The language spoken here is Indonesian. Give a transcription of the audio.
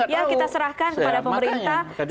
ya kita serahkan kepada pemerintah